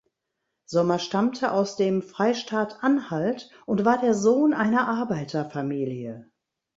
Sommer stammte aus dem Freistaat Anhalt und war der Sohn einer Arbeiterfamilie.